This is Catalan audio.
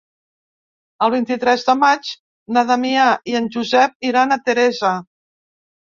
El vint-i-tres de maig na Damià i en Josep iran a Teresa.